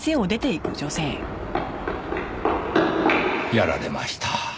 やられました。